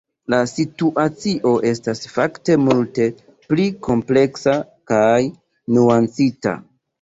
La situacio estas fakte multe pli kompleksa kaj nuancita.